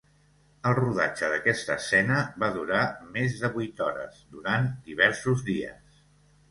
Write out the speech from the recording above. El rodatge d'aquesta escena va durar més de vuit hores durant diversos dies.